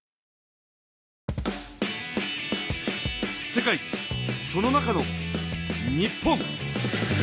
世界その中の日本。